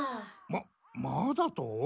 「ままあ」だと？